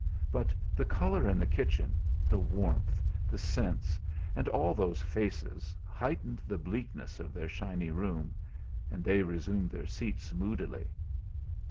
But the colour in the kitchen, the warmth, the scents, and all those faces, heightened the bleakness of their shiny room, and they resumed their seats moodily.